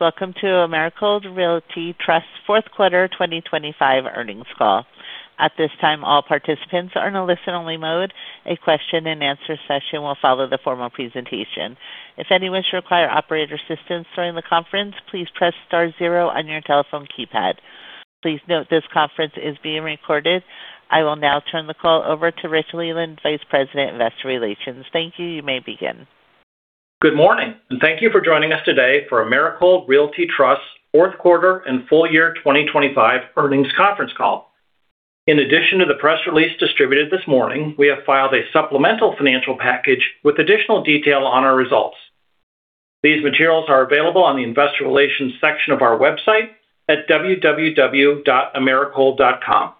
Welcome to Americold Realty Trust Fourth Quarter 2025 Earnings Call. At this time, all participants are in a listen-only mode. A question-and-answer session will follow the formal presentation. If anyone should require operator assistance during the conference, please press star zero on your telephone keypad. Please note, this conference is being recorded. I will now turn the call over to Rich Leland, Vice President, Investor Relations. Thank you. You may begin. Good morning, and thank you for joining us today for Americold Realty Trust Fourth Quarter and Full Year 2025 Earnings Conference Call. In addition to the press release distributed this morning, we have filed a supplemental financial package with additional detail on our results. These materials are available on the Investor Relations section of our website at www.americold.com.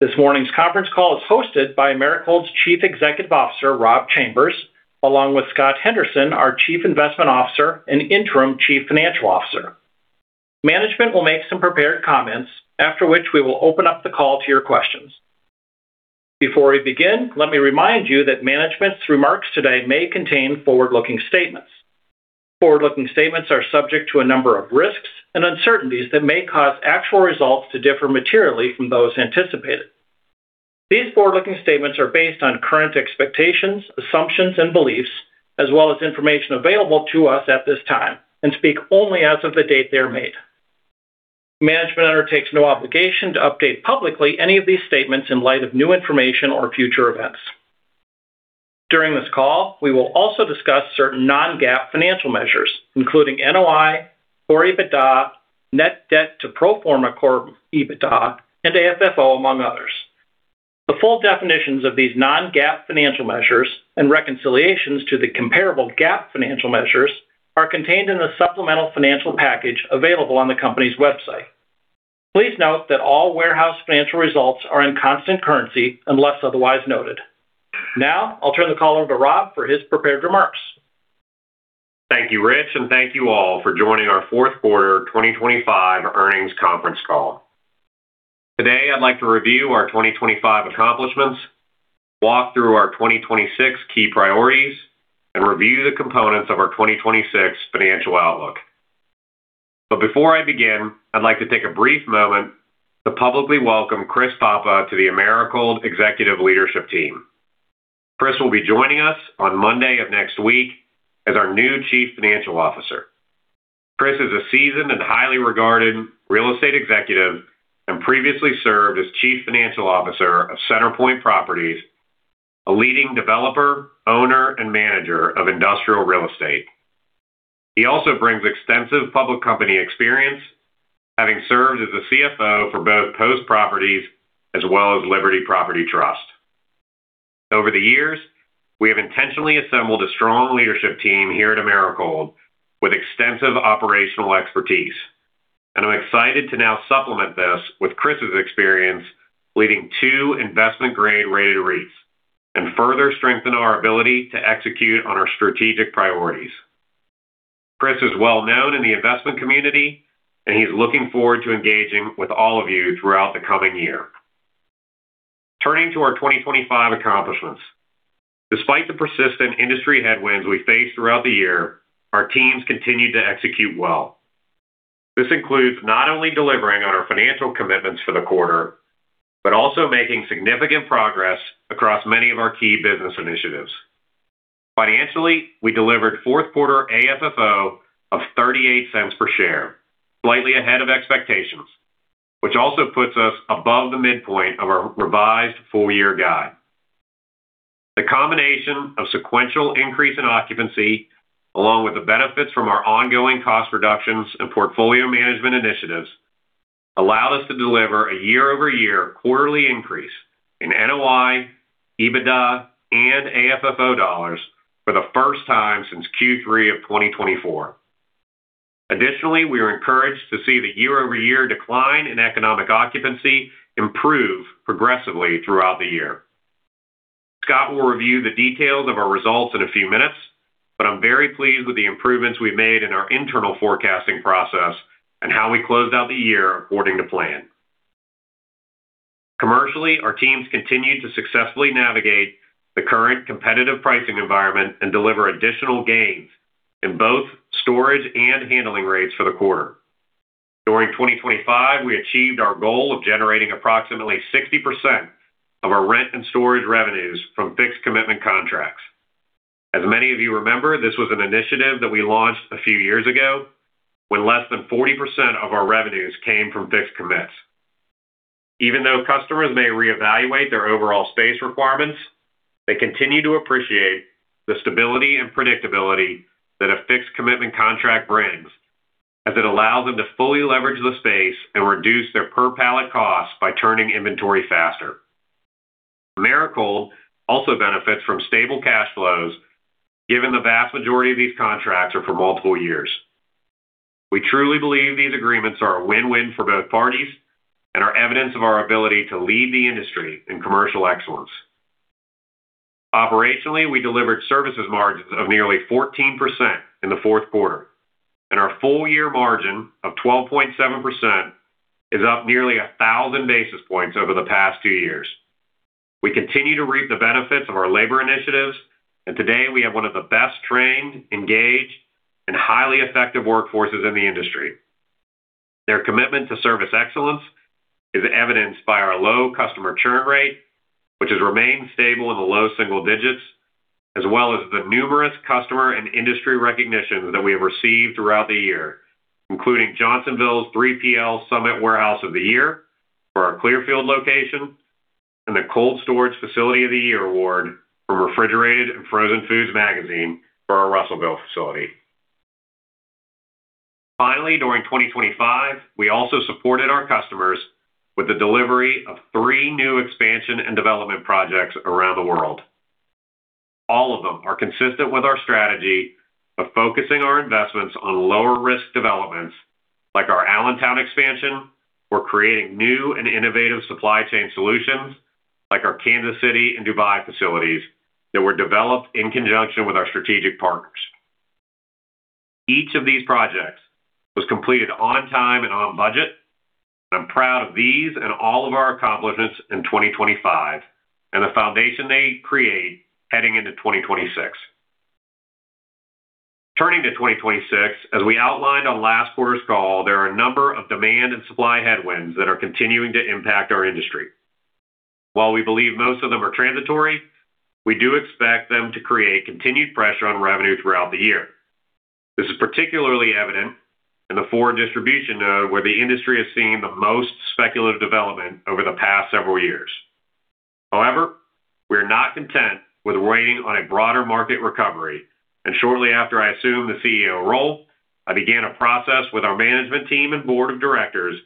This morning's conference call is hosted by Americold's Chief Executive Officer, Rob Chambers, along with Scott Henderson, our Chief Investment Officer and Interim Chief Financial Officer. Management will make some prepared comments, after which we will open up the call to your questions. Before we begin, let me remind you that management's remarks today may contain forward-looking statements. Forward-looking statements are subject to a number of risks and uncertainties that may cause actual results to differ materially from those anticipated. These forward-looking statements are based on current expectations, assumptions, and beliefs, as well as information available to us at this time, and speak only as of the date they are made. Management undertakes no obligation to update publicly any of these statements in light of new information or future events. During this call, we will also discuss certain non-GAAP financial measures, including NOI, Core EBITDA, Net Debt to Pro Forma Core EBITDA, and AFFO, among others. The full definitions of these non-GAAP financial measures and reconciliations to the comparable GAAP financial measures are contained in the supplemental financial package available on the company's website. Please note that all warehouse financial results are in constant currency unless otherwise noted. Now, I'll turn the call over to Rob for his prepared remarks. Thank you, Rich, and thank you all for joining our fourth quarter 2025 earnings conference call. Today, I'd like to review our 2025 accomplishments, walk through our 2026 key priorities, and review the components of our 2026 financial outlook. Before I begin, I'd like to take a brief moment to publicly welcome Chris Papa to the Americold executive leadership team. Chris will be joining us on Monday of next week as our new Chief Financial Officer. Chris is a seasoned and highly regarded real estate executive and previously served as Chief Financial Officer of CenterPoint Properties, a leading developer, owner, and manager of industrial real estate. He also brings extensive public company experience, having served as a CFO for both Post Properties as well as Liberty Property Trust. Over the years, we have intentionally assembled a strong leadership team here at Americold with extensive operational expertise, and I'm excited to now supplement this with Chris's experience leading two Investment Grade rated REITs and further strengthen our ability to execute on our strategic priorities. Chris is well-known in the investment community, and he's looking forward to engaging with all of you throughout the coming year. Turning to our 2025 accomplishments. Despite the persistent industry headwinds we faced throughout the year, our teams continued to execute well. This includes not only delivering on our financial commitments for the quarter, but also making significant progress across many of our key business initiatives. Financially, we delivered fourth quarter AFFO of $0.38 per share, slightly ahead of expectations, which also puts us above the midpoint of our revised full-year guide. The combination of sequential increase in occupancy, along with the benefits from our ongoing cost reductions and portfolio management initiatives, allowed us to deliver a year-over-year quarterly increase in NOI, EBITDA, and AFFO dollars for the first time since Q3 of 2024. Additionally, we are encouraged to see the year-over-year decline in economic occupancy improve progressively throughout the year. Scott will review the details of our results in a few minutes, but I'm very pleased with the improvements we've made in our internal forecasting process and how we closed out the year according to plan. Commercially, our teams continued to successfully navigate the current competitive pricing environment and deliver additional gains in both storage and handling rates for the quarter. During 2025, we achieved our goal of generating approximately 60% of our rent and storage revenues from fixed commitment contracts. As many of you remember, this was an initiative that we launched a few years ago when less than 40% of our revenues came from fixed commits. Even though customers may reevaluate their overall space requirements, they continue to appreciate the stability and predictability that a fixed commitment contract brings, as it allows them to fully leverage the space and reduce their per pallet costs by turning inventory faster. Americold also benefits from stable cash flows, given the vast majority of these contracts are for multiple years. We truly believe these agreements are a win-win for both parties and are evidence of our ability to lead the industry in commercial excellence. Operationally, we delivered services margins of nearly 14% in the fourth quarter, and our full year margin of 12.7% is up nearly 1,000 basis points over the past two years. We continue to reap the benefits of our labor initiatives, and today we have one of the best trained, engaged, and highly effective workforces in the industry. Their commitment to service excellence is evidenced by our low customer churn rate, which has remained stable in the low single digits, as well as the numerous customer and industry recognitions that we have received throughout the year, including Johnsonville's 3PL Summit Warehouse of the Year for our Clearfield location, and the Cold Storage Facility of the Year award from Refrigerated & Frozen Foods Magazine for our Russellville facility. Finally, during 2025, we also supported our customers with the delivery of three new expansion and development projects around the world. All of them are consistent with our strategy of focusing our investments on lower-risk developments, like our Allentown expansion. We're creating new and innovative supply chain solutions like our Kansas City and Dubai facilities that were developed in conjunction with our strategic partners. Each of these projects was completed on time and on budget. I'm proud of these and all of our accomplishments in 2025 and the foundation they create heading into 2026. Turning to 2026, as we outlined on last quarter's call, there are a number of demand and supply headwinds that are continuing to impact our industry. While we believe most of them are transitory, we do expect them to create continued pressure on revenue throughout the year. This is particularly evident in the food distribution node, where the industry has seen the most speculative development over the past several years. However, we're not content with waiting on a broader market recovery, and shortly after I assumed the CEO role, I began a process with our management team and board of directors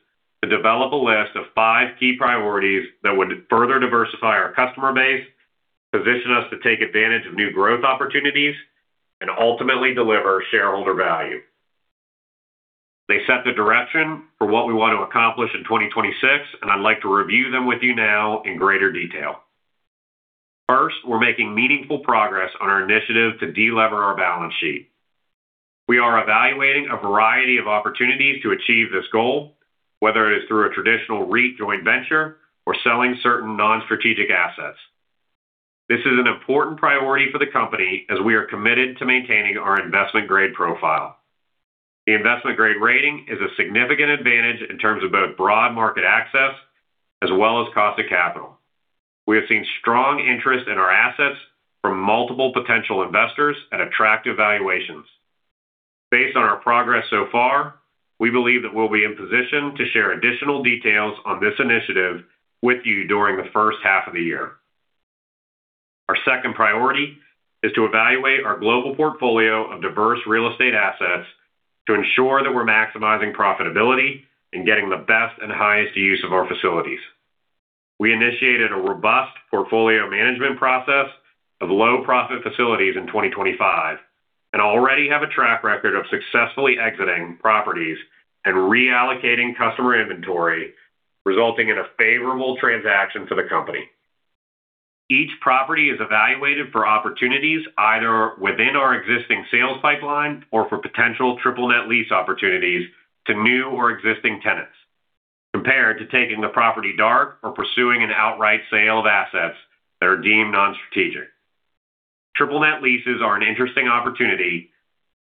to develop a list of five key priorities that would further diversify our customer base, position us to take advantage of new growth opportunities, and ultimately deliver shareholder value. They set the direction for what we want to accomplish in 2026, and I'd like to review them with you now in greater detail. First, we're making meaningful progress on our initiative to delever our balance sheet. We are evaluating a variety of opportunities to achieve this goal, whether it is through a traditional REIT joint venture or selling certain non-strategic assets. This is an important priority for the company as we are committed to maintaining our investment-grade profile. The Investment Grade rating is a significant advantage in terms of both broad market access as well as cost of capital. We have seen strong interest in our assets from multiple potential investors at attractive valuations. Based on our progress so far, we believe that we'll be in position to share additional details on this initiative with you during the first half of the year. Our second priority is to evaluate our global portfolio of diverse real estate assets to ensure that we're maximizing profitability and getting the best and highest use of our facilities. We initiated a robust portfolio management process of low-profit facilities in 2025 and already have a track record of successfully exiting properties and reallocating customer inventory, resulting in a favorable transaction for the company. Each property is evaluated for opportunities, either within our existing sales pipeline or for potential NNN lease opportunities to new or existing tenants, compared to taking the property dark or pursuing an outright sale of assets that are deemed non-strategic. NNN leases are an interesting opportunity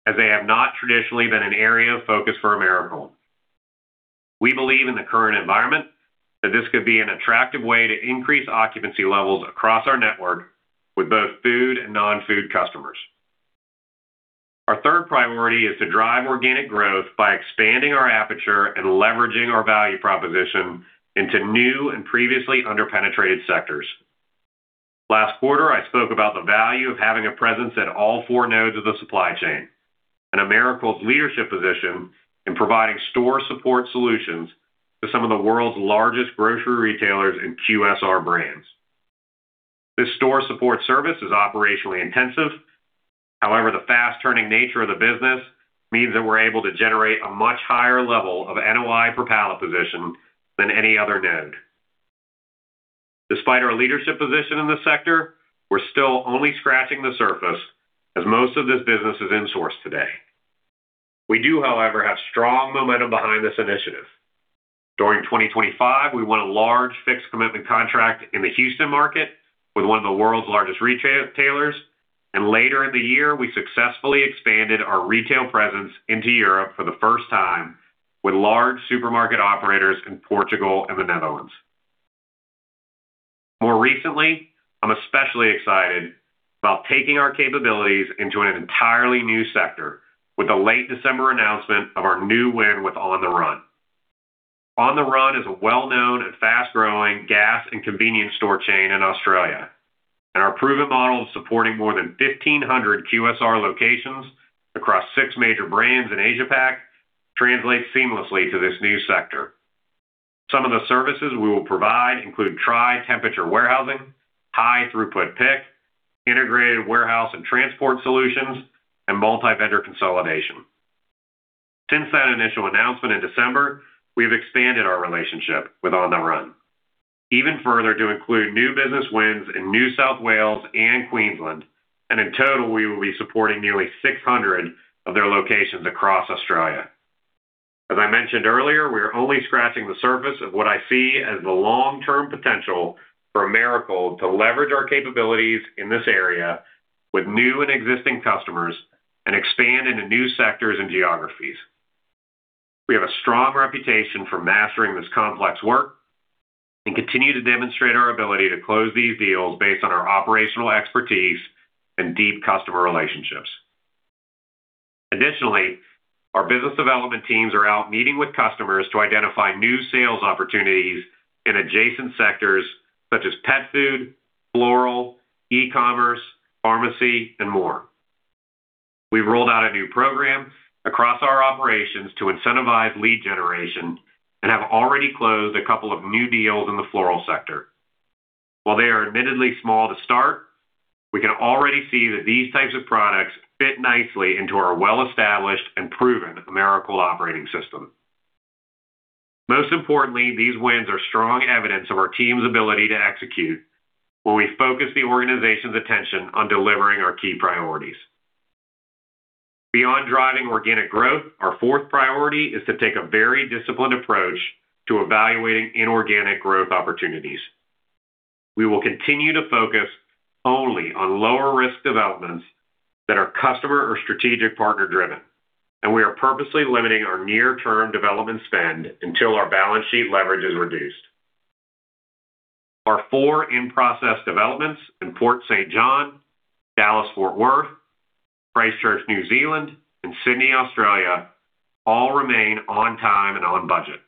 as they have not traditionally been an area of focus for Americold. We believe in the current environment, that this could be an attractive way to increase occupancy levels across our network with both food and non-food customers. Our third priority is to drive organic growth by expanding our aperture and leveraging our value proposition into new and previously underpenetrated sectors. Last quarter, I spoke about the value of having a presence at all four nodes of the supply chain and Americold's leadership position in providing store support solutions to some of the world's largest grocery retailers and QSR brands. This store support service is operationally intensive. However, the fast-turning nature of the business means that we're able to generate a much higher level of NOI per pallet position than any other node. Despite our leadership position in the sector, we're still only scratching the surface as most of this business is insourced today. We do, however, have strong momentum behind this initiative. During 2025, we won a large fixed commitment contract in the Houston market with one of the world's largest retailers, and later in the year, we successfully expanded our retail presence into Europe for the first time with large supermarket operators in Portugal and the Netherlands. More recently, I'm especially excited about taking our capabilities into an entirely new sector with the late December announcement of our new win with On the Run. On the Run is a well-known and fast-growing gas and convenience store chain in Australia, and our proven model of supporting more than 1,500 QSR locations across six major brands in Asia-Pac translates seamlessly to this new sector. Some of the services we will provide include tri-temperature warehousing, high throughput pick, integrated warehouse and transport solutions, and multi-vendor consolidation. Since that initial announcement in December, we've expanded our relationship with On the Run even further to include new business wins in New South Wales and Queensland, and in total, we will be supporting nearly 600 of their locations across Australia. As mentioned earlier, we are only scratching the surface of what I see as the long-term potential for Americold to leverage our capabilities in this area with new and existing customers and expand into new sectors and geographies. We have a strong reputation for mastering this complex work and continue to demonstrate our ability to close these deals based on our operational expertise and deep customer relationships. Additionally, our business development teams are out meeting with customers to identify new sales opportunities in adjacent sectors such as pet food, floral, e-commerce, pharmacy, and more. We've rolled out a new program across our operations to incentivize lead generation and have already closed a couple of new deals in the floral sector. While they are admittedly small to start, we can already see that these types of products fit nicely into our well-established and proven Americold operating system. Most importantly, these wins are strong evidence of our team's ability to execute when we focus the organization's attention on delivering our key priorities. Beyond driving organic growth, our fourth priority is to take a very disciplined approach to evaluating inorganic growth opportunities. We will continue to focus only on lower-risk developments that are customer or strategic partner-driven, and we are purposely limiting our near-term development spend until our balance sheet leverage is reduced. Our four in-process developments in Port Saint John, Dallas-Fort Worth, Christchurch, New Zealand, and Sydney, Australia, all remain on time and on budget.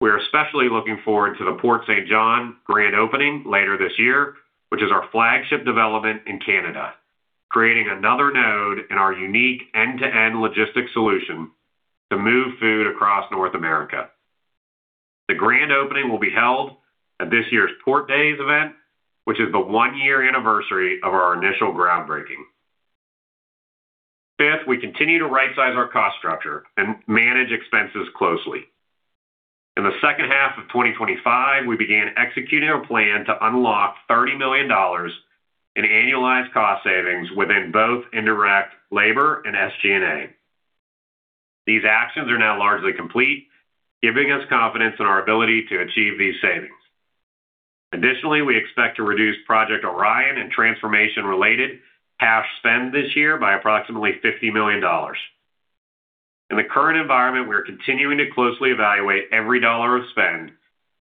We are especially looking forward to the Port Saint John grand opening later this year, which is our flagship development in Canada, creating another node in our unique end-to-end logistics solution to move food across North America. The grand opening will be held at this year's Port Days event, which is the one-year anniversary of our initial groundbreaking. Fifth, we continue to rightsize our cost structure and manage expenses closely. In the second half of 2025, we began executing our plan to unlock $30 million in annualized cost savings within both indirect labor and SG&A. These actions are now largely complete, giving us confidence in our ability to achieve these savings. Additionally, we expect to reduce Project Orion and transformation-related cash spend this year by approximately $50 million. In the current environment, we are continuing to closely evaluate every dollar of spend,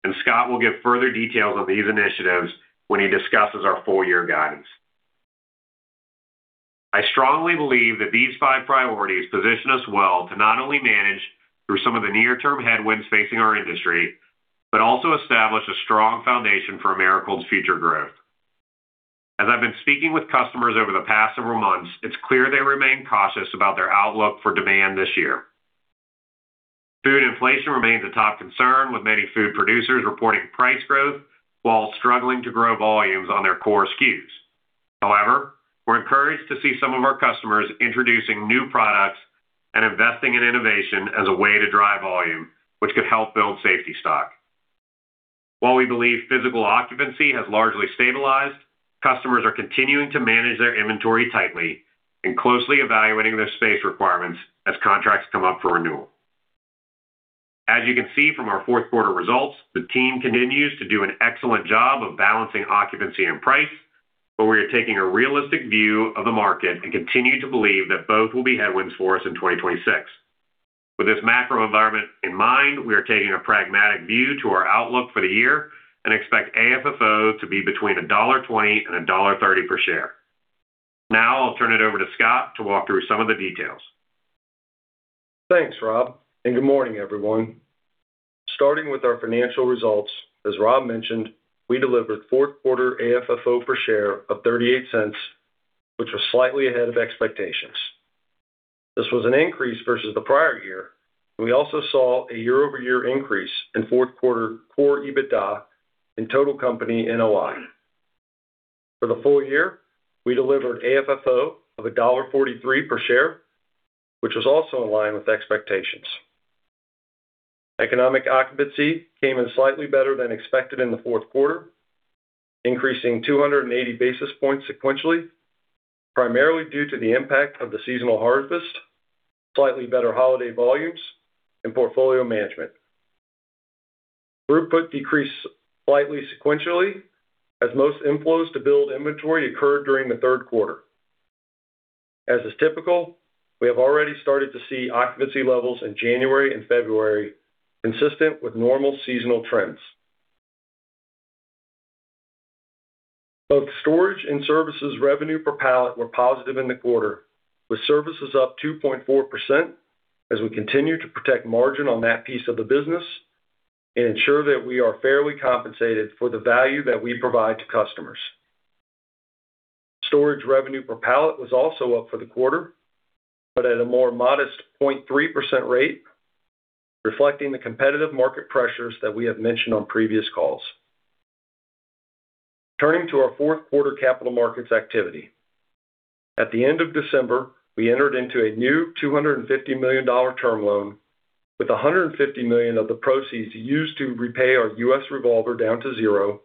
and Scott will give further details on these initiatives when he discusses our full year guidance. I strongly believe that these five priorities position us well to not only manage through some of the near-term headwinds facing our industry, but also establish a strong foundation for Americold's future growth. As I've been speaking with customers over the past several months, it's clear they remain cautious about their outlook for demand this year. Food inflation remains a top concern, with many food producers reporting price growth while struggling to grow volumes on their core SKUs. However, we're encouraged to see some of our customers introducing new products and investing in innovation as a way to drive volume, which could help build safety stock. While we believe physical occupancy has largely stabilized, customers are continuing to manage their inventory tightly and closely evaluating their space requirements as contracts come up for renewal. As you can see from our fourth quarter results, the team continues to do an excellent job of balancing occupancy and price, but we are taking a realistic view of the market and continue to believe that both will be headwinds for us in 2026. With this macro environment in mind, we are taking a pragmatic view to our outlook for the year and expect AFFO to be between $1.20 and $1.30 per share. Now I'll turn it over to Scott to walk through some of the details. Thanks, Rob, and good morning, everyone. Starting with our financial results, as Rob mentioned, we delivered fourth quarter AFFO per share of $0.38, which was slightly ahead of expectations. This was an increase versus the prior year. We also saw a year-over-year increase in fourth quarter core EBITDA and total company NOI. For the full year, we delivered AFFO of $1.43 per share, which was also in line with expectations. Economic occupancy came in slightly better than expected in the fourth quarter, increasing 280 basis points sequentially, primarily due to the impact of the seasonal harvest, slightly better holiday volumes, and portfolio management. Throughput decreased slightly sequentially as most inflows to build inventory occurred during the third quarter. As is typical, we have already started to see occupancy levels in January and February, consistent with normal seasonal trends. Both storage and services revenue per pallet were positive in the quarter, with services up 2.4% as we continue to protect margin on that piece of the business and ensure that we are fairly compensated for the value that we provide to customers. Storage revenue per pallet was also up for the quarter, but at a more modest 0.3% rate, reflecting the competitive market pressures that we have mentioned on previous calls. Turning to our fourth quarter capital markets activity. At the end of December, we entered into a new $250 million term loan, with $150 million of the proceeds used to repay our U.S. revolver down to zero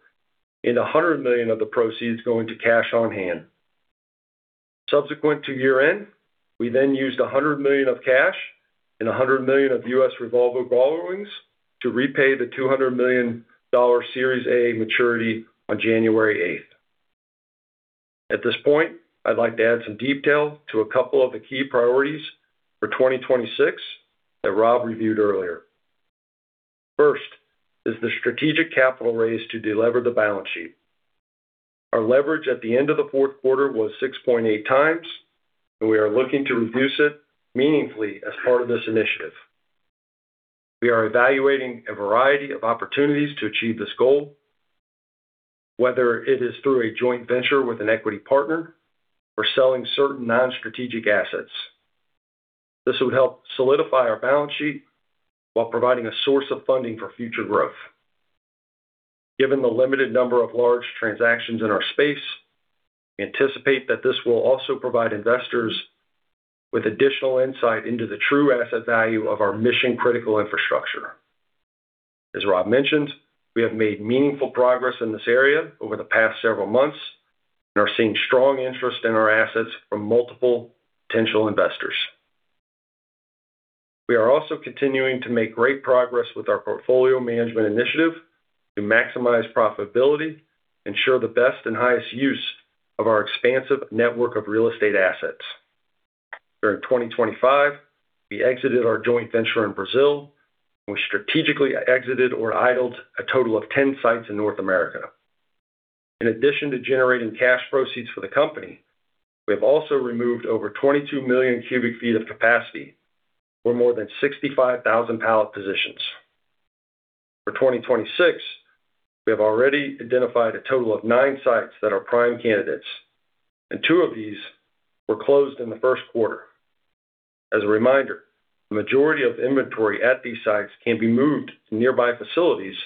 and $100 million of the proceeds going to cash on hand. Subsequent to year-end, we then used $100 million of cash and $100 million of U.S. revolver borrowings to repay the $200 million Series A maturity on January 8th. At this point, I'd like to add some detail to a couple of the key priorities for 2026 that Rob reviewed earlier. First, is the strategic capital raise to delever the balance sheet. Our leverage at the end of the fourth quarter was 6.8x, and we are looking to reduce it meaningfully as part of this initiative. We are evaluating a variety of opportunities to achieve this goal, whether it is through a joint venture with an equity partner or selling certain non-strategic assets. This would help solidify our balance sheet while providing a source of funding for future growth. Given the limited number of large transactions in our space, we anticipate that this will also provide investors with additional insight into the true asset value of our mission-critical infrastructure. As Rob mentioned, we have made meaningful progress in this area over the past several months and are seeing strong interest in our assets from multiple potential investors. We are also continuing to make great progress with our portfolio management initiative to maximize profitability, ensure the best and highest use of our expansive network of real estate assets. During 2025, we exited our joint venture in Brazil, and we strategically exited or idled a total of 10 sites in North America. In addition to generating cash proceeds for the company, we have also removed over 22 million cu ft of capacity, or more than 65,000 pallet positions. For 2026, we have already identified a total of nine sites that are prime candidates, and two of these were closed in the first quarter. As a reminder, the majority of inventory at these sites can be moved to nearby facilities,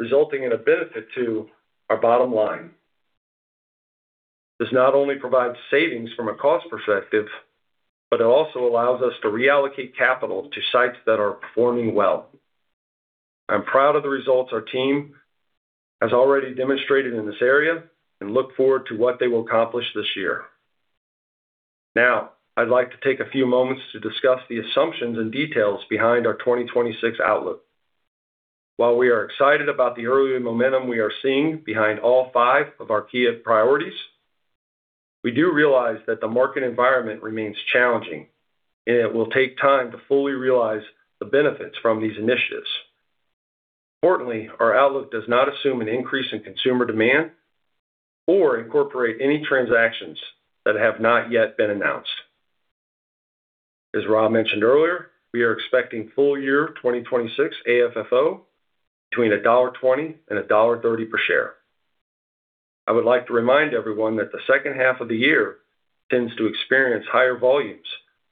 resulting in a benefit to our bottom line. This not only provides savings from a cost perspective, but it also allows us to reallocate capital to sites that are performing well. I'm proud of the results our team has already demonstrated in this area and look forward to what they will accomplish this year. Now, I'd like to take a few moments to discuss the assumptions and details behind our 2026 outlook. While we are excited about the early momentum we are seeing behind all five of our key priorities, we do realize that the market environment remains challenging, and it will take time to fully realize the benefits from these initiatives. Importantly, our outlook does not assume an increase in consumer demand or incorporate any transactions that have not yet been announced. As Rob mentioned earlier, we are expecting full year 2026 AFFO between $1.20-$1.30 per share. I would like to remind everyone that the second half of the year tends to experience higher volumes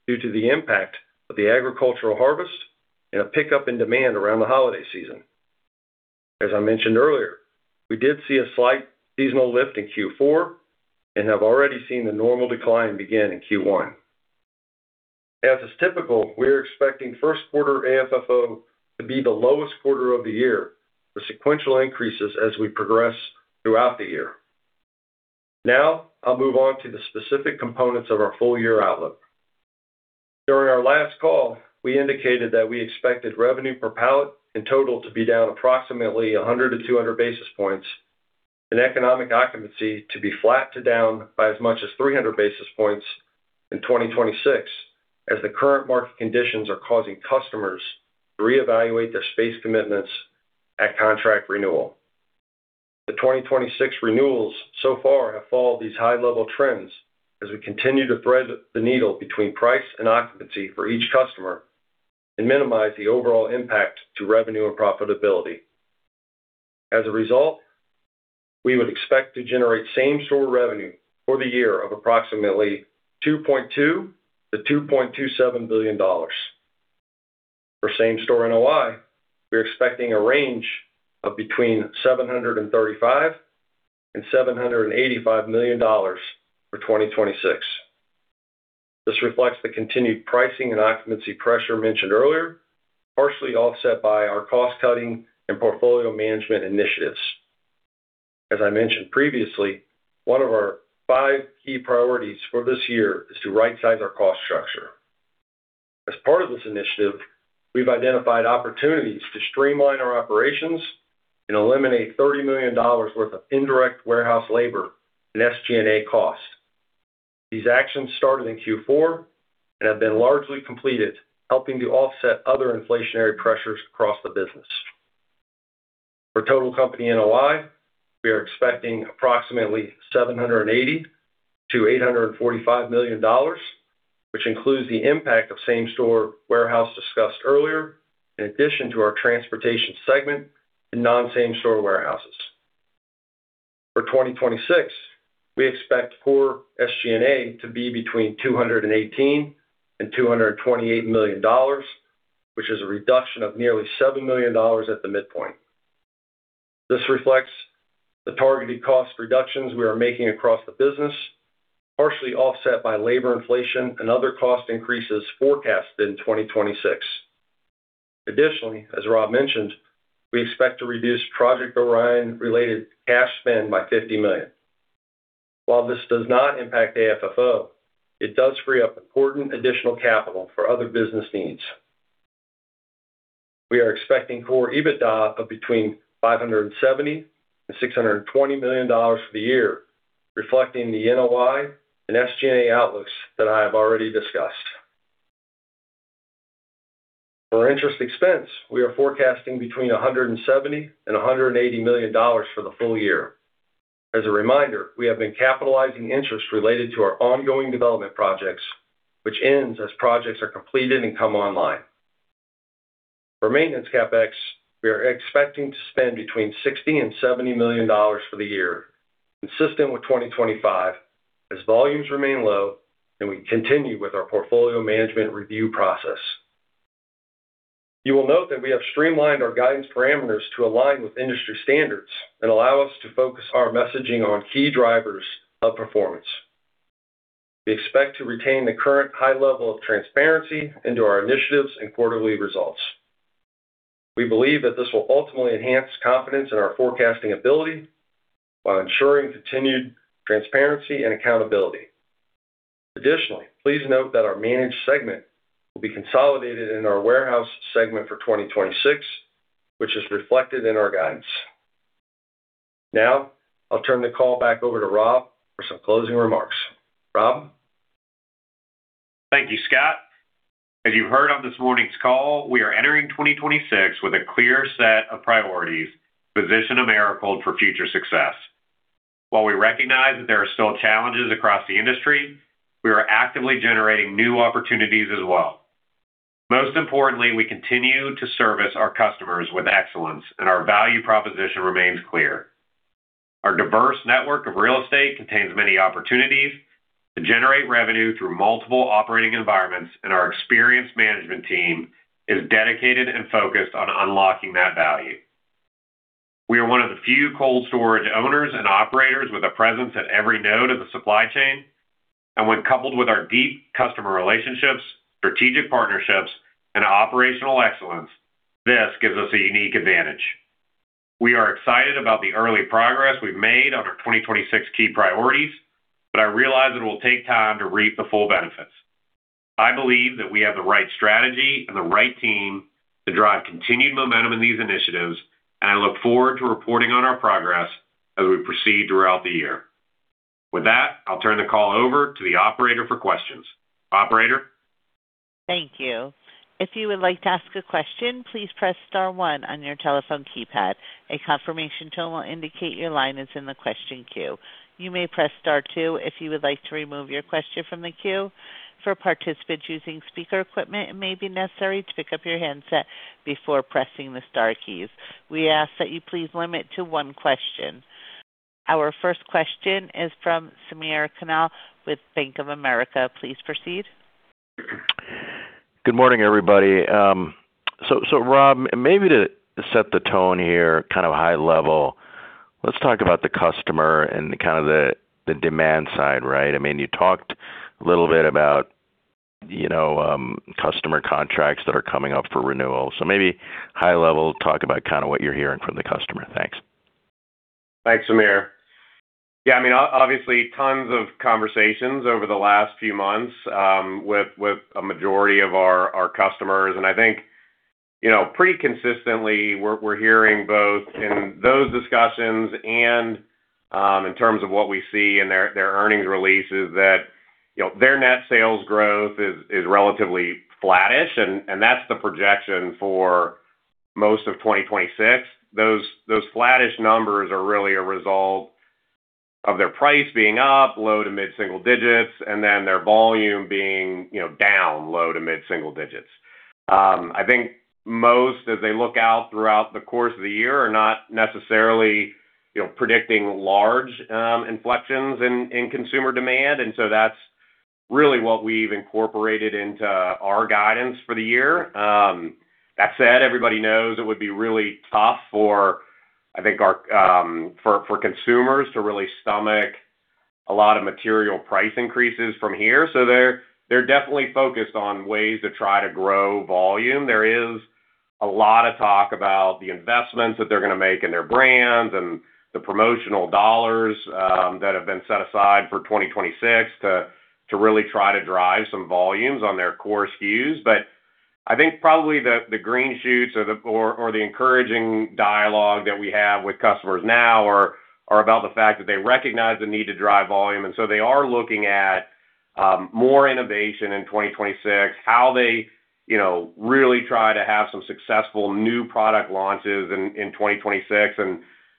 due to the impact of the agricultural harvest and a pickup in demand around the holiday season. As I mentioned earlier, we did see a slight seasonal lift in Q4 and have already seen the normal decline begin in Q1. As is typical, we're expecting first quarter AFFO to be the lowest quarter of the year, with sequential increases as we progress throughout the year. Now, I'll move on to the specific components of our full-year outlook. During our last call, we indicated that we expected revenue per pallet in total to be down approximately 100-200 basis points, and economic occupancy to be flat to down by as much as 300 basis points in 2026, as the current market conditions are causing customers to reevaluate their space commitments at contract renewal. The 2026 renewals so far have followed these high-level trends as we continue to thread the needle between price and occupancy for each customer and minimize the overall impact to revenue and profitability. As a result, we would expect to generate same-store revenue for the year of approximately $2.2-$2.27 billion. For same-store NOI, we're expecting a range of between $735 million and $785 million for 2026. This reflects the continued pricing and occupancy pressure mentioned earlier, partially offset by our cost-cutting and portfolio management initiatives. As I mentioned previously, one of our five key priorities for this year is to rightsize our cost structure. As part of this initiative, we've identified opportunities to streamline our operations and eliminate $30 million worth of indirect warehouse labor and SG&A costs. These actions started in Q4 and have been largely completed, helping to offset other inflationary pressures across the business. For total company NOI, we are expecting approximately $780 million-$845 million, which includes the impact of same-store warehouse discussed earlier, in addition to our transportation segment and non-same-store warehouses. For 2026, we expect core SG&A to be between $218 million-$228 million, which is a reduction of nearly $7 million at the midpoint. This reflects the targeted cost reductions we are making across the business, partially offset by labor inflation and other cost increases forecasted in 2026. Additionally, as Rob mentioned, we expect to reduce Project Orion-related cash spend by $50 million. While this does not impact AFFO, it does free up important additional capital for other business needs. We are expecting Core EBITDA of between $570 million and $620 million for the year, reflecting the NOI and SG&A outlooks that I have already discussed. For interest expense, we are forecasting between $170 million and $180 million for the full year. As a reminder, we have been capitalizing interest related to our ongoing development projects, which ends as projects are completed and come online. For maintenance CapEx, we are expecting to spend between $60 million and $70 million for the year, consistent with 2025, as volumes remain low and we continue with our portfolio management review process. You will note that we have streamlined our guidance parameters to align with industry standards and allow us to focus our messaging on key drivers of performance. We expect to retain the current high level of transparency into our initiatives and quarterly results. We believe that this will ultimately enhance confidence in our forecasting ability while ensuring continued transparency and accountability. Additionally, please note that our managed segment will be consolidated in our warehouse segment for 2026, which is reflected in our guidance. Now, I'll turn the call back over to Rob for some closing remarks. Rob? Thank you, Scott. As you heard on this morning's call, we are entering 2026 with a clear set of priorities to position Americold for future success. While we recognize that there are still challenges across the industry, we are actively generating new opportunities as well. Most importantly, we continue to service our customers with excellence, and our value proposition remains clear. Our diverse network of real estate contains many opportunities to generate revenue through multiple operating environments, and our experienced management team is dedicated and focused on unlocking that value. We are one of the few cold storage owners and operators with a presence at every node of the supply chain, and when coupled with our deep customer relationships, strategic partnerships, and operational excellence, this gives us a unique advantage. We are excited about the early progress we've made on our 2026 key priorities, but I realize it will take time to reap the full benefits. I believe that we have the right strategy and the right team to drive continued momentum in these initiatives, and I look forward to reporting on our progress as we proceed throughout the year. With that, I'll turn the call over to the operator for questions. Operator? Thank you. If you would like to ask a question, please press star one on your telephone keypad. A confirmation tone will indicate your line is in the question queue. You may press star two if you would like to remove your question from the queue. For participants using speaker equipment, it may be necessary to pick up your handset before pressing the star keys. We ask that you please limit to one question. Our first question is from Samir Khanal with Bank of America. Please proceed. Good morning, everybody. So Rob, maybe to set the tone here, kind of high level, let's talk about the customer and kind of the demand side, right? I mean, you talked a little bit about, you know, customer contracts that are coming up for renewal. So maybe high level, talk about kind of what you're hearing from the customer. Thanks. Thanks, Samir. Yeah, I mean, obviously, tons of conversations over the last few months, with, with a majority of our, our customers. And I think, you know, pretty consistently, we're, we're hearing both in those discussions and, in terms of what we see in their, their earnings releases, that, you know, their net sales growth is, is relatively flattish, and, and that's the projection for most of 2026. Those, those flattish numbers are really a result of their price being up, low- to mid-single digits, and then their volume being, you know, down, low- to mid-single digits. I think most, as they look out throughout the course of the year, are not necessarily, you know, predicting large, inflections in, in consumer demand, and so that's really what we've incorporated into our guidance for the year. That said, everybody knows it would be really tough, I think, for our consumers to really stomach a lot of material price increases from here. So they're definitely focused on ways to try to grow volume. There is a lot of talk about the investments that they're gonna make in their brands and the promotional dollars that have been set aside for 2026 to really try to drive some volumes on their core SKUs. But I think probably the green shoots or the encouraging dialogue that we have with customers now are about the fact that they recognize the need to drive volume, and so they are looking at more innovation in 2026, you know, really try to have some successful new product launches in 2026.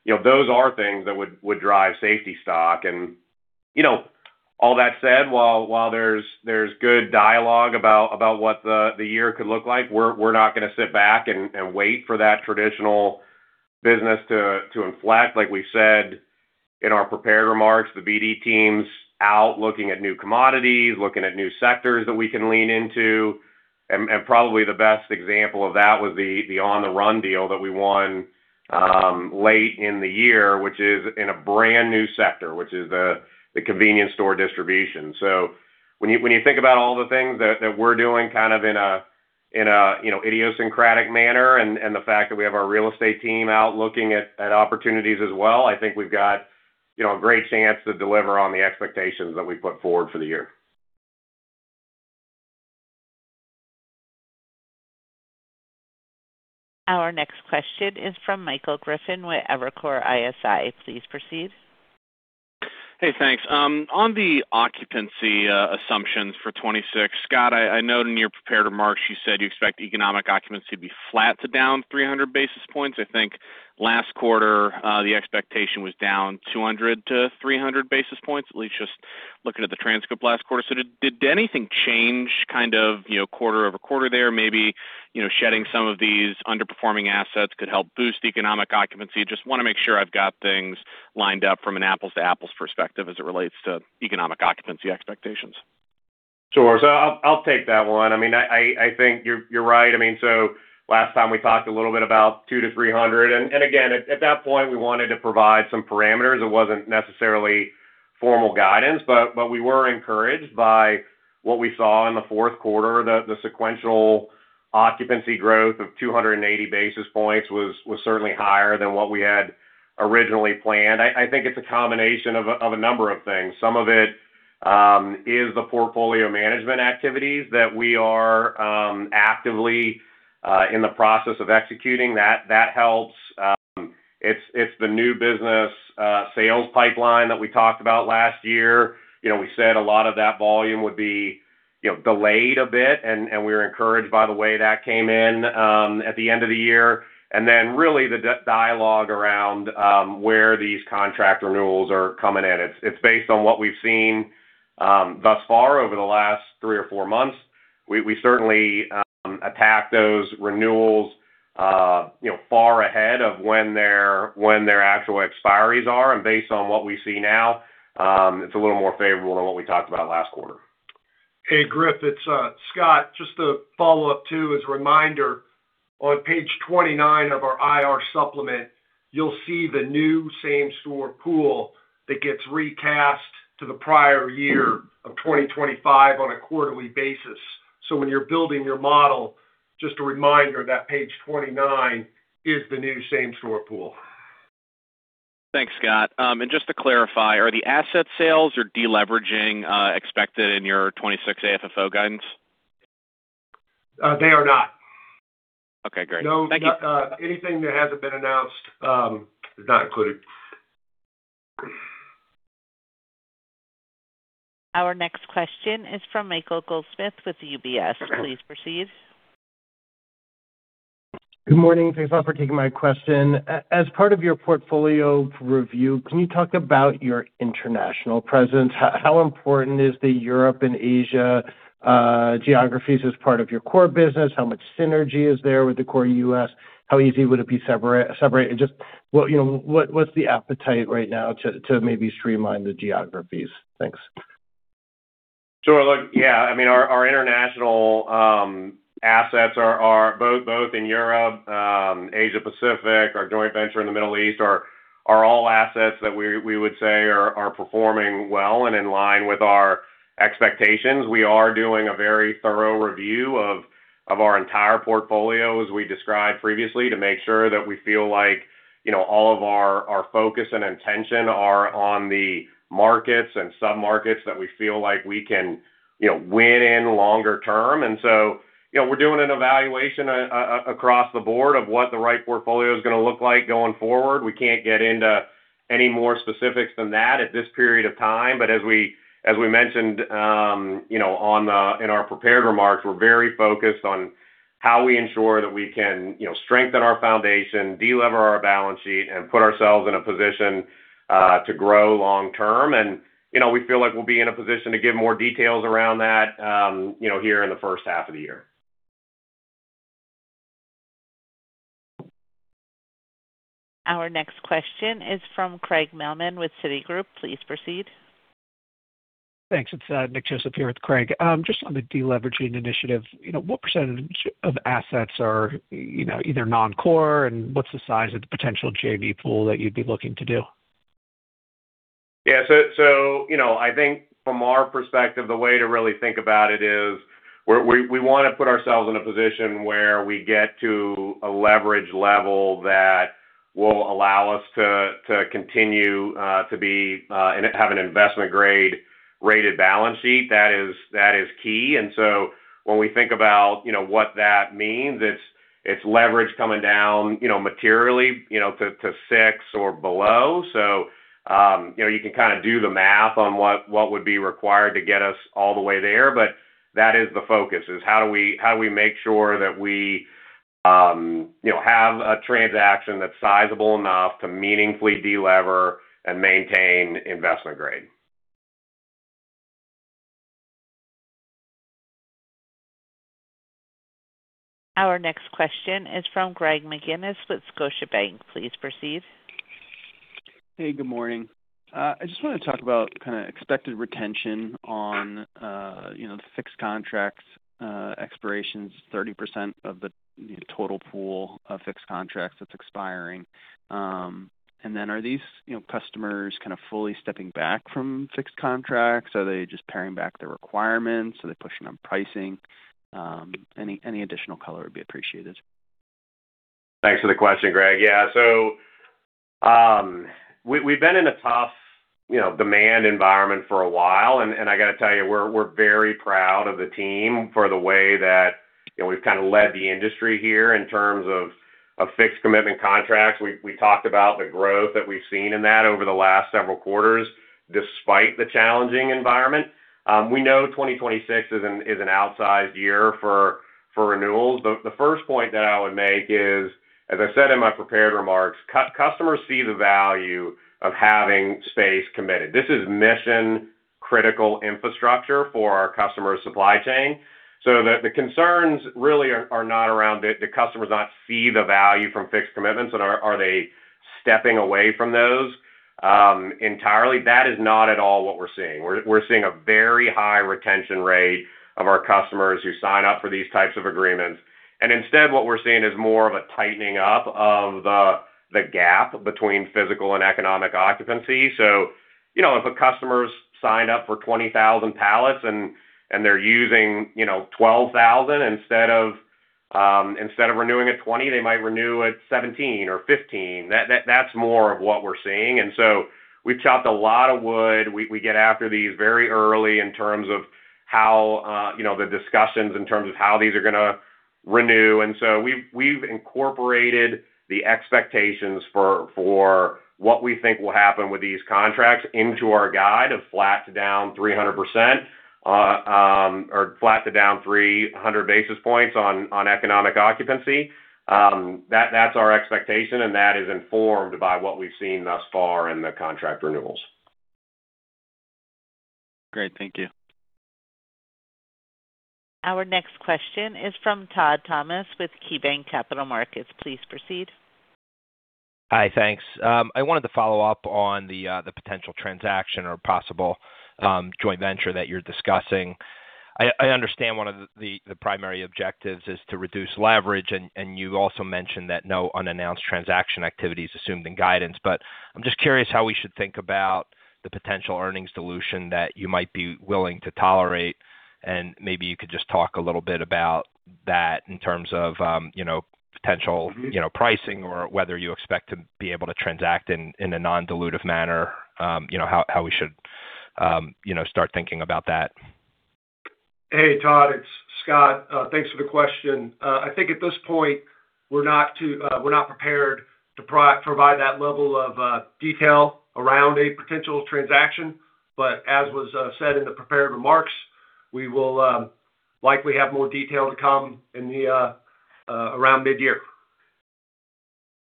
You know, those are things that would drive safety stock. You know, all that said, while there's good dialogue about what the year could look like, we're not gonna sit back and wait for that traditional business to inflect. Like we said in our prepared remarks, the BD team's out looking at new commodities, looking at new sectors that we can lean into. And probably the best example of that was the On the Run deal that we won late in the year, which is in a brand-new sector, which is the convenience store distribution. So, when you think about all the things that we're doing kind of in a, you know, idiosyncratic manner, and the fact that we have our real estate team out looking at opportunities as well, I think we've got, you know, a great chance to deliver on the expectations that we put forward for the year. Our next question is from Michael Griffin with Evercore ISI. Please proceed. Hey, thanks. On the occupancy assumptions for 2026, Scott, I noted in your prepared remarks, you said you expect economic occupancy to be flat to down 300 basis points. I think last quarter, the expectation was down 200-300 basis points. At least just looking at the transcript last quarter. So did anything change kind of, you know, quarter-over-quarter there? Maybe, you know, shedding some of these underperforming assets could help boost economic occupancy. Just wanna make sure I've got things lined up from an apples-to-apples perspective as it relates to economic occupancy expectations. Sure. So I'll take that one. I mean, I think you're right. I mean, so last time we talked a little bit about 200-300, and again, at that point, we wanted to provide some parameters. It wasn't necessarily formal guidance, but we were encouraged by what we saw in the fourth quarter. The sequential occupancy growth of 280 basis points was certainly higher than what we had originally planned. I think it's a combination of a number of things. Some of it is the portfolio management activities that we are actively in the process of executing. That helps. It's the new business sales pipeline that we talked about last year. You know, we said a lot of that volume would be, you know, delayed a bit, and we were encouraged by the way that came in at the end of the year. And then really the dialogue around where these contract renewals are coming in. It's based on what we've seen thus far over the last three or four months. We certainly attack those renewals, you know, far ahead of when their actual expiries are. And based on what we see now, it's a little more favorable than what we talked about last quarter. Hey, Griff, it's Scott. Just to follow up, too, as a reminder, on page 29 of our IR supplement, you'll see the new same-store pool that gets recast to the prior year of 2025 on a quarterly basis. So when you're building your model, just a reminder that page 29 is the new same-store pool. Thanks, Scott. Just to clarify, are the asset sales or deleveraging expected in your 2026 AFFO guidance? They are not. Okay, great. Thank you. No, anything that hasn't been announced is not included. Our next question is from Michael Goldsmith with UBS. Please proceed. Good morning. Thanks a lot for taking my question. As part of your portfolio review, can you talk about your international presence? How important is the Europe and Asia geographies as part of your core business? How much synergy is there with the core U.S.? How easy would it be separate, and just, you know, what's the appetite right now to maybe streamline the geographies? Thanks. Sure. Look, yeah, I mean, our international assets are both in Europe, Asia Pacific, our joint venture in the Middle East, are all assets that we would say are performing well and in line with our expectations. We are doing a very thorough review of our entire portfolio, as we described previously, to make sure that we feel like, you know, all of our focus and intention are on the markets and sub-markets that we feel like we can, you know, win in longer term. And so, you know, we're doing an evaluation across the board of what the right portfolio is gonna look like going forward. We can't get into any more specifics than that at this period of time. But as we, as we mentioned, you know, in our prepared remarks, we're very focused on how we ensure that we can, you know, strengthen our foundation, delever our balance sheet, and put ourselves in a position, to grow long term. And, you know, we feel like we'll be in a position to give more details around that, you know, here in the first half of the year. Our next question is from Craig Millman with Citigroup. Please proceed. Thanks. It's Nick Joseph here with Craig. Just on the deleveraging initiative, you know, what percentage of assets are, you know, either non-core, and what's the size of the potential JV pool that you'd be looking to do? Yeah, so, you know, I think from our perspective, the way to really think about it is we want to put ourselves in a position where we get to a leverage level that will allow us to continue to be and have an investment-grade rated balance sheet. That is key. So when we think about, you know, what that means, it's leverage coming down, you know, materially, you know, to six or below. So, you know, you can kinda do the math on what would be required to get us all the way there, but that is the focus, is how do we make sure that we, you know, have a transaction that's sizable enough to meaningfully delever and maintain investment grade? Our next question is from Greg McGinniss with Scotiabank. Please proceed. Hey, good morning. I just want to talk about kind of expected retention on, you know, the fixed contracts, expirations, 30% of the total pool of fixed contracts that's expiring. And then are these, you know, customers kind of fully stepping back from fixed contracts? Are they just paring back their requirements? Are they pushing on pricing? Any additional color would be appreciated. Thanks for the question, Greg. Yeah. So, we've been in a tough, you know, demand environment for a while, and I got to tell you, we're very proud of the team for the way that, you know, we've kind of led the industry here in terms of fixed commitment contracts. We talked about the growth that we've seen in that over the last several quarters, despite the challenging environment. We know 2026 is an outsized year for renewals. The first point that I would make is, as I said in my prepared remarks, customers see the value of having space committed. This is mission-critical infrastructure for our customer supply chain. So the concerns really are not around the customers not see the value from fixed commitments and are they stepping away from those entirely? That is not at all what we're seeing. We're seeing a very high retention rate of our customers who sign up for these types of agreements. And instead, what we're seeing is more of a tightening up of the gap between physical and economic occupancy. So, you know, if a customer's signed up for 20,000 pallets and they're using, you know, 12,000 instead of renewing at 20, they might renew at 17 or 15. That's more of what we're seeing. And so we've chopped a lot of wood. We get after these very early in terms of how, you know, the discussions in terms of how these are gonna renew. And so we've incorporated the expectations for what we think will happen with these contracts into our guide of flat to down 300%, or flat to down 300 basis points on economic occupancy. That's our expectation, and that is informed by what we've seen thus far in the contract renewals. Great. Thank you. Our next question is from Todd Thomas with KeyBanc Capital Markets. Please proceed. Hi, thanks. I wanted to follow up on the potential transaction or possible joint venture that you're discussing. I understand one of the primary objectives is to reduce leverage, and you also mentioned that no unannounced transaction activity is assumed in guidance. But I'm just curious how we should think about the potential earnings dilution that you might be willing to tolerate, and maybe you could just talk a little bit about that in terms of, you know, potential. Mm-hmm. You know, pricing or whether you expect to be able to transact in a non-dilutive manner, you know, how we should, you know, start thinking about that. Hey, Todd, it's Scott. Thanks for the question. I think at this point, we're not prepared to provide that level of detail around a potential transaction, but as was said in the prepared remarks, we will likely have more detail to come around mid-year.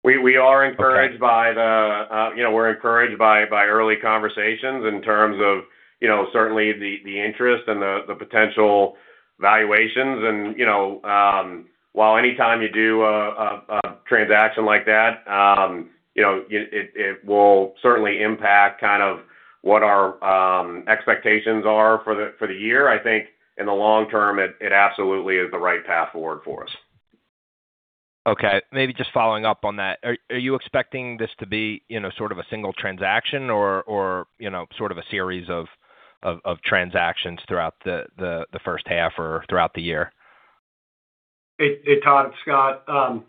We are encouraged- Okay. By the, you know, we're encouraged by early conversations in terms of, you know, certainly the interest and the potential valuations. And, you know, while anytime you do a transaction like that, you know, it will certainly impact kind of what our expectations are for the year. I think in the long term, it absolutely is the right path forward for us. Okay. Maybe just following up on that. Are you expecting this to be, you know, sort of a single transaction or, you know, sort of a series of transactions throughout the first half or throughout the year? Hey, hey, Todd, it's Scott. You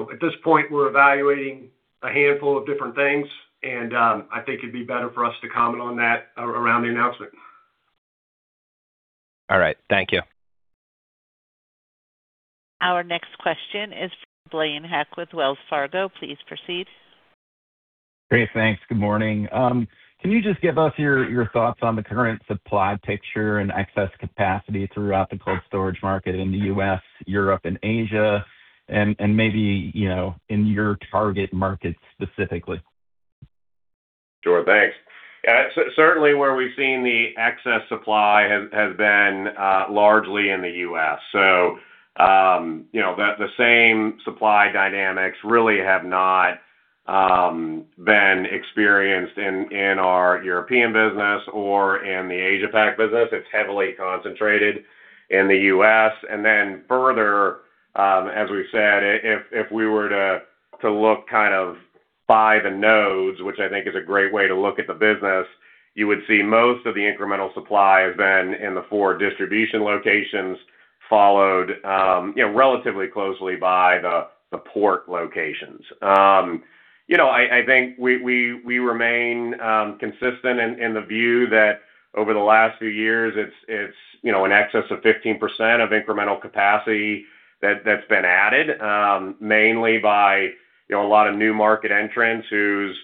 know, at this point, we're evaluating a handful of different things, and I think it'd be better for us to comment on that around the announcement. All right. Thank you. Our next question is from Blaine Heck with Wells Fargo. Please proceed. Great. Thanks. Good morning. Can you just give us your thoughts on the current supply picture and excess capacity throughout the cold storage market in the U.S., Europe, and Asia, and maybe, you know, in your target markets specifically? Sure. Thanks. Yeah, so certainly where we've seen the excess supply has been largely in the U.S. So, you know, the same supply dynamics really have not been experienced in our European business or in the Asia Pacific business. It's heavily concentrated in the U.S. And then further, as we've said, if we were to look kind of by the nodes, which I think is a great way to look at the business, you would see most of the incremental supply then in the four distribution locations, followed, you know, relatively closely by the support locations. You know, I think we remain consistent in the view that over the last few years, it's, you know, in excess of 15% of incremental capacity that's been added, mainly by, you know, a lot of new market entrants whose,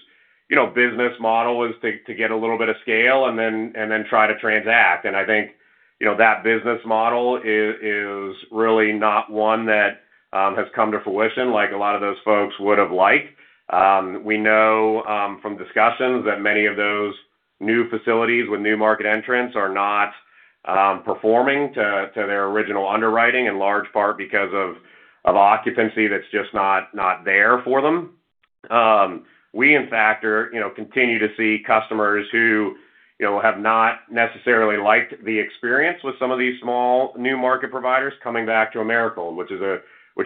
you know, business model is to get a little bit of scale and then try to transact. And I think, you know, that business model is really not one that has come to fruition, like a lot of those folks would have liked. We know, from discussions that many of those new facilities with new market entrants are not performing to their original underwriting, in large part because of occupancy that's just not there for them. We, in fact, are, you know, continue to see customers who, you know, have not necessarily liked the experience with some of these small new market providers coming back to Americold, which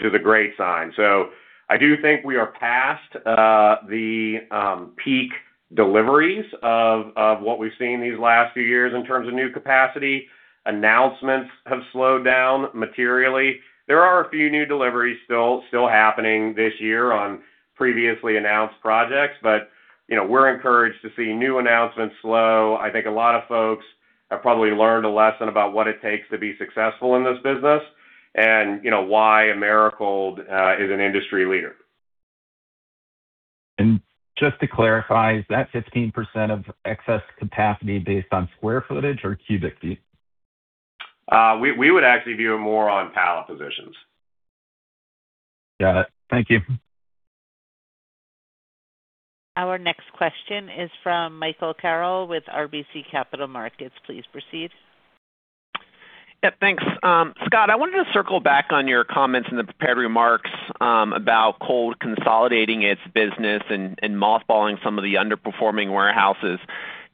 is a great sign. So I do think we are past the peak deliveries of what we've seen these last few years in terms of new capacity. Announcements have slowed down materially. There are a few new deliveries still happening this year on previously announced projects, but, you know, we're encouraged to see new announcements slow. I think a lot of folks have probably learned a lesson about what it takes to be successful in this business and, you know, why Americold is an industry leader. Just to clarify, is that 15% of excess capacity based on sq ft or cu ft? We would actually view it more on pallet positions. Got it. Thank you. Our next question is from Michael Carroll with RBC Capital Markets. Please proceed. Yeah, thanks. Scott, I wanted to circle back on your comments in the prepared remarks about Americold consolidating its business and mothballing some of the underperforming warehouses.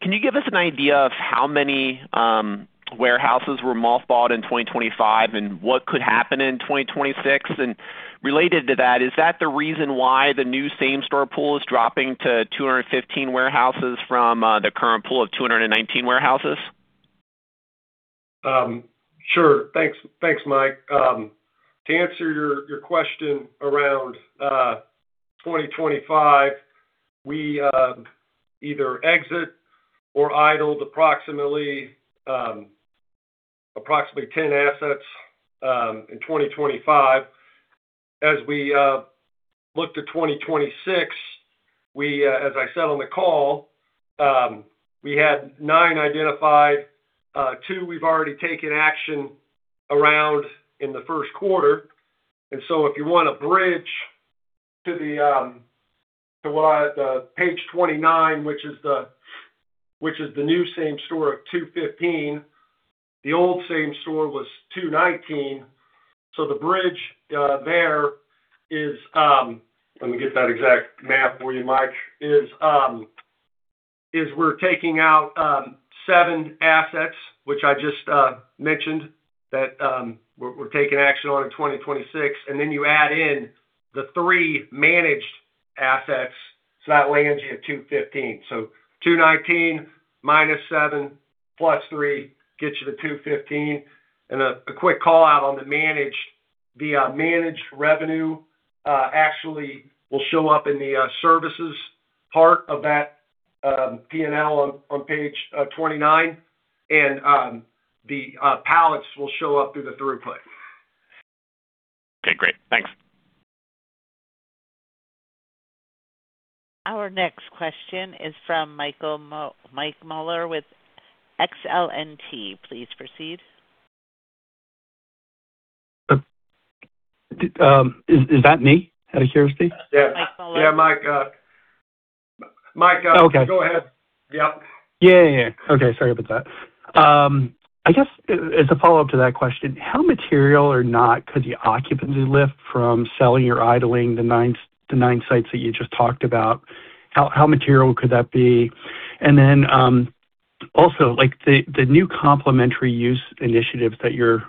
Can you give us an idea of how many warehouses were mothballed in 2025, and what could happen in 2026? And related to that, is that the reason why the new same-store pool is dropping to 215 warehouses from the current pool of 219 warehouses? Sure. Thanks. Thanks, Mike. To answer your question around 2025, we either exit or idled approximately 10 assets in 2025. As we look to 2026, we, as I said on the call, we had nine identified, two we've already taken action around in the first quarter. And so if you want to bridge to the, to what, page 29, which is the new same store of 215, the old same store was 219. So the bridge there is, let me get that exact math for you, Mike. We're taking out seven assets, which I just mentioned, that we're taking action on in 2026, and then you add in the three managed assets, so that lands you at 215. So 219 minus seven plus three gets you to 215. And a quick call-out on the managed revenue, actually will show up in the services part of that P&L on page 29, and the pallets will show up through the throughput. Okay, great. Thanks. Our next question is from Mike Mueller with JPMorgan. Please proceed. Is that me, out of curiosity? Yeah. Mike Mueller. Yeah, Mike, Okay. Go ahead. Yep. Yeah, yeah. Okay. Sorry about that. I guess as, as a follow-up to that question, how material or not could the occupancy lift from selling or idling the nine, the nine sites that you just talked about? How, how material could that be? And then, also, like, the new complementary use initiatives that you're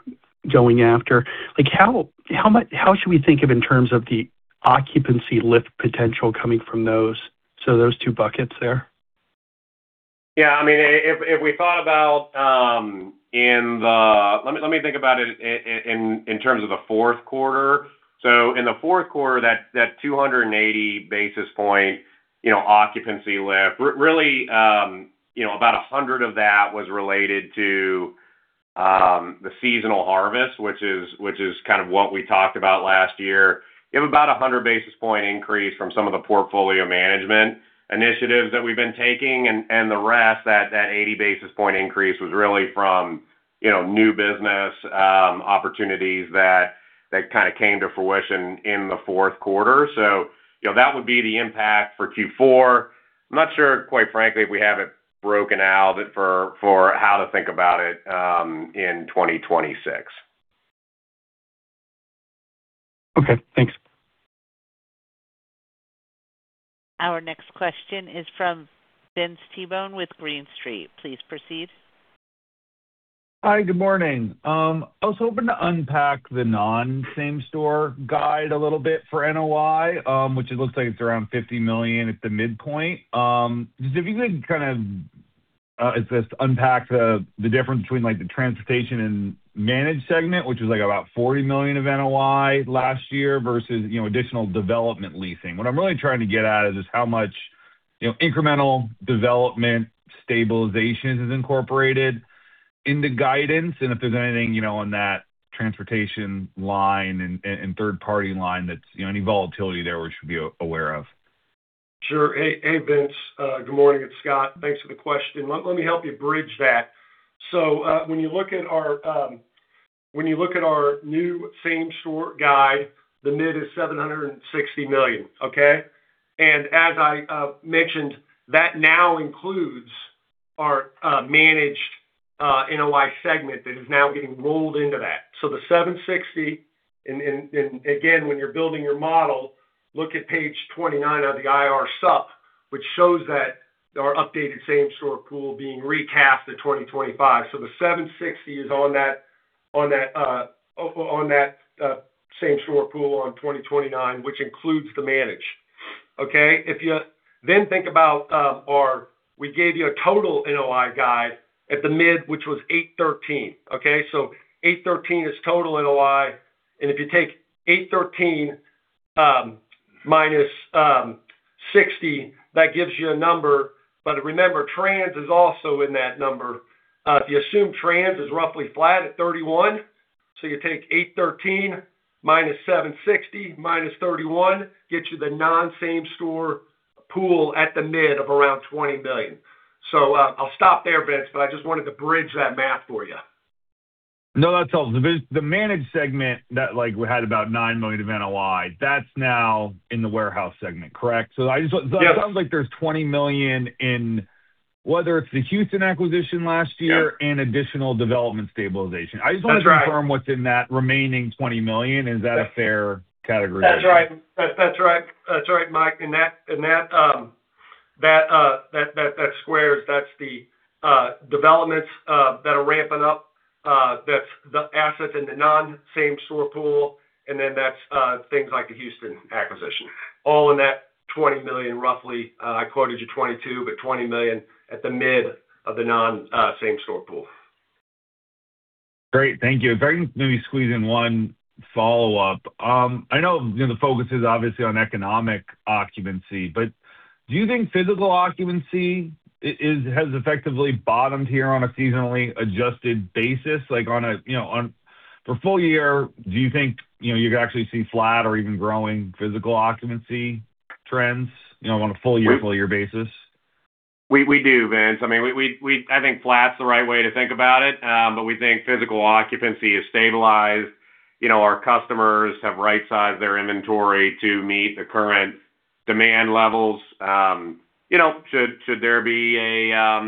going after, like, how much, how should we think of in terms of the occupancy lift potential coming from those, so those two buckets there? Yeah, I mean, if we thought about in the, let me think about it in terms of the fourth quarter. So in the fourth quarter, that 280 basis point, you know, occupancy lift, really, you know, about 100 of that was related to the seasonal harvest, which is kind of what we talked about last year. You have about 100 basis point increase from some of the portfolio management initiatives that we've been taking, and the rest, that 80 basis point increase was really from, you know, new business opportunities that kind of came to fruition in the fourth quarter. So, you know, that would be the impact for Q4. I'm not sure, quite frankly, we have it broken out, but for how to think about it in 2026. Okay, thanks. Our next question is from Vince Tibone with Green Street. Please proceed. Hi, good morning. I was hoping to unpack the non-same-store guide a little bit for NOI, which it looks like it's around $50 million at the midpoint. If you could kind of just unpack the difference between, like, the transportation and managed segment, which is, like, about $40 million of NOI last year versus, you know, additional development leasing. What I'm really trying to get at is how much, you know, incremental development stabilization is incorporated in the guidance, and if there's anything, you know, on that transportation line and third-party line that's, you know, any volatility there we should be aware of. Sure. Hey, Vince. Good morning. It's Scott. Thanks for the question. Let me help you bridge that. So, when you look at our new same-store guide, the mid is $760 million, okay? And as I mentioned, that now includes our managed NOI segment that is now getting rolled into that. So the 760, and again, when you're building your model, look at page 29 of the IR sup, which shows that our updated same-store pool being recapped to 2025. So the 760 is on that same-store pool on page 29, which includes the managed. Okay? If you then think about our, we gave you a total NOI guide at the mid, which was $813, okay? So $813 is total NOI, and if you take $813 minus $60, that gives you a number. But remember, trans is also in that number. If you assume trans is roughly flat at $31, so you take $813 minus $760 minus $31, gets you the non-same store pool at the mid of around $20 million. So, I'll stop there, Vince, but I just wanted to bridge that math for you. No, that's all. The managed segment that, like, we had about $9 million of NOI, that's now in the warehouse segment, correct? So I just want- Yep. It sounds like there's $20 million in, whether it's the Houston acquisition last year- Yep And additional development stabilization. That's right. I just want to confirm what's in that remaining $20 million. Is that a fair category? That's right. That's right. That's right, Vince. And that squares, that's the developments that are ramping up, that's the assets in the non-same-store pool, and then that's things like the Houston acquisition, all in that $20 million, roughly. I quoted you $22 million, but $20 million at the midpoint of the non-same-store pool. Great. Thank you. Let me squeeze in one follow-up. I know, you know, the focus is obviously on economic occupancy, but do you think physical occupancy has effectively bottomed here on a seasonally adjusted basis? Like, you know, for full year, do you think, you know, you could actually see flat or even growing physical occupancy trends, you know, on a full year, full year basis? We do, Vince. I mean, we, I think flat's the right way to think about it, but we think physical occupancy is stabilized. You know, our customers have right-sized their inventory to meet the current demand levels. You know, should there be a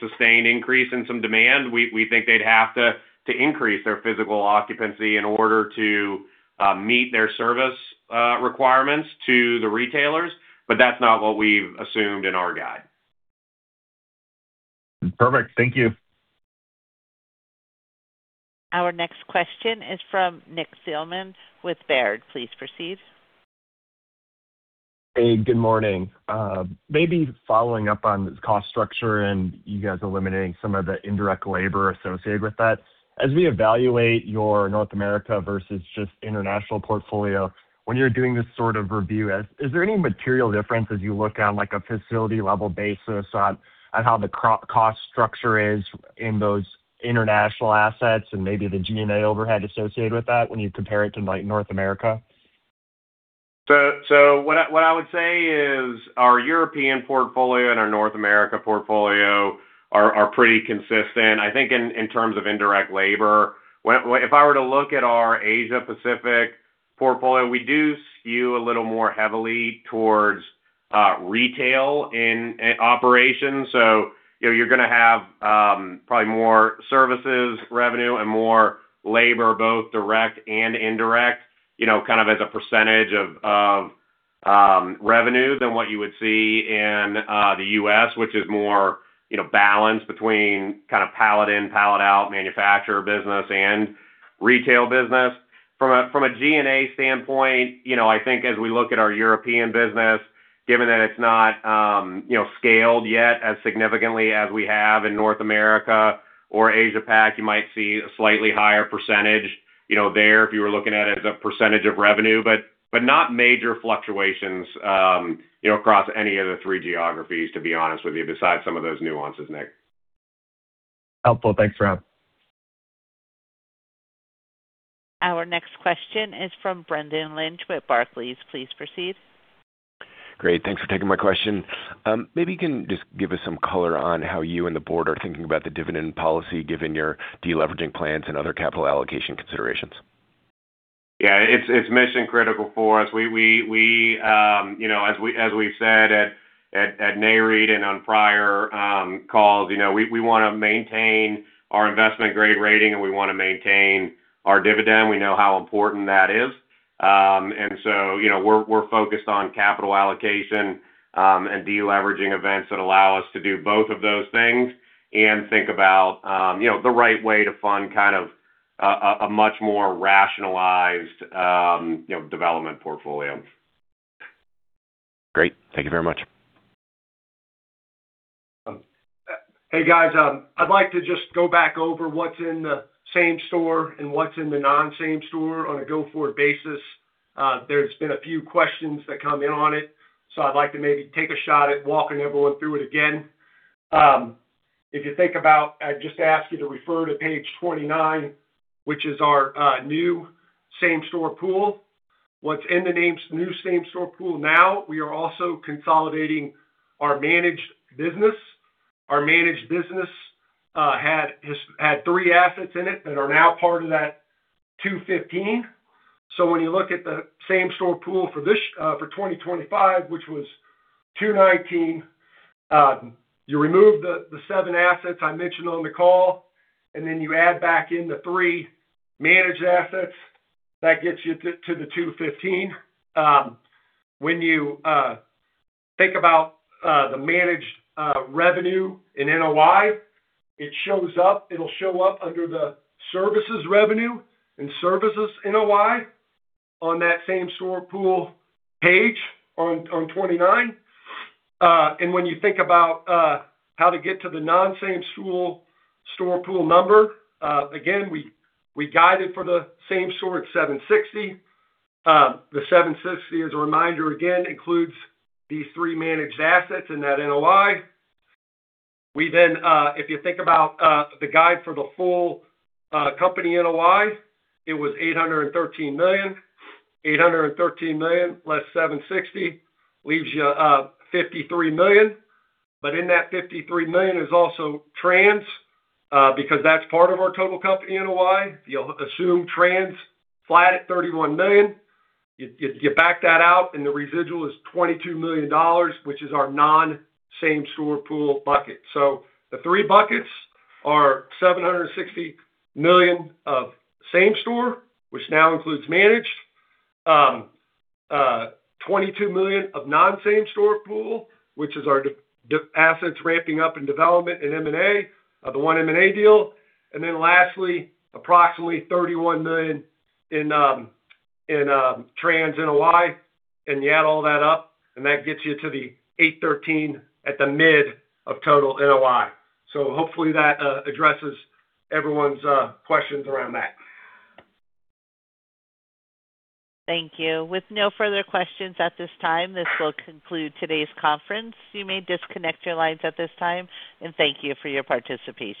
sustained increase in some demand, we think they'd have to increase their physical occupancy in order to meet their service requirements to the retailers, but that's not what we've assumed in our guide. Perfect. Thank you. Our next question is from Nick Thillman with Baird. Please proceed. Hey, good morning. Maybe following up on this cost structure and you guys eliminating some of the indirect labor associated with that. As we evaluate your North America versus just international portfolio, when you're doing this sort of review, is there any material difference as you look on, like, a facility level basis on how the cost structure is in those international assets and maybe the G&A overhead associated with that, when you compare it to, like, North America? So what I would say is, our European portfolio and our North America portfolio are pretty consistent. I think in terms of indirect labor, if I were to look at our Asia Pacific portfolio, we do skew a little more heavily towards retail in operations. So, you know, you're gonna have probably more services revenue, and more labor, both direct and indirect, you know, kind of as a percentage of revenue than what you would see in the U.S., which is more, you know, balanced between kind of pallet-in/pallet-out manufacturer business and retail business. From a G&A standpoint, you know, I think as we look at our European business, given that it's not, you know, scaled yet as significantly as we have in North America or Asia Pacific, you might see a slightly higher percentage, you know, there, if you were looking at it as a percentage of revenue, but, but not major fluctuations, you know, across any of the three geographies, to be honest with you, besides some of those nuances, Nick. Helpful. Thanks, Rob. Our next question is from Brendan Lynch with Barclays. Please proceed. Great. Thanks for taking my question. Maybe you can just give us some color on how you and the board are thinking about the dividend policy, given your deleveraging plans and other capital allocation considerations. Yeah, it's mission-critical for us. We, you know, as we said at NAREIT and on prior calls, you know, we wanna maintain our investment-grade rating, and we wanna maintain our dividend. We know how important that is. And so, you know, we're focused on capital allocation and deleveraging events that allow us to do both of those things and think about, you know, the right way to fund kind of a much more rationalized development portfolio. Great. Thank you very much. Hey, guys, I'd like to just go back over what's in the same-store and what's in the non-same-store on a go-forward basis. There's been a few questions that come in on it, so I'd like to maybe take a shot at walking everyone through it again. If you think about, I just ask you to refer to page 29, which is our new same-store pool. What's in the new same-store pool now, we are also consolidating our managed business. Our managed business had three assets in it that are now part of that 215. So when you look at the same-store pool for this for 2025, which was 219, you remove the seven assets I mentioned on the call, and then you add back in the three managed assets, that gets you to the 215. When you think about the managed revenue in NOI, it shows up, it'll show up under the services revenue and services NOI on that same-store pool page on 29. And when you think about how to get to the non-same-store pool number, again, we guided for the same-store at $760 million. The $760 million, as a reminder, again, includes these three managed assets in that NOI. We then, if you think about the guide for the full company NOI, it was $813 million. $813 million less $760 million leaves you $53 million. In that $53 million is also trans, because that's part of our total company NOI. You'll assume trans flat at $31 million. You back that out, and the residual is $22 million, which is our non-same-store pool bucket. The three buckets are $760 million of same-store, which now includes managed, $22 million of non-same-store pool, which is our de- assets ramping up in development in M&A, the one M&A deal. Lastly, approximately $31 million in trans NOI, and you add all that up, and that gets you to the $830 million at the mid of total NOI. Hopefully that addresses everyone's questions around that. Thank you. With no further questions at this time, this will conclude today's conference. You may disconnect your lines at this time, and thank you for your participation.